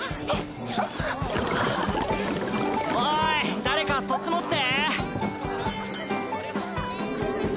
おい誰かそっち持って！